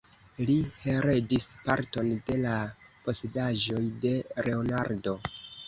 Li heredis parton de la posedaĵoj de Leonardo.